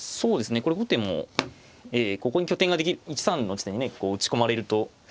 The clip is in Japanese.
これ後手もここに拠点ができ１三の地点にね打ち込まれると。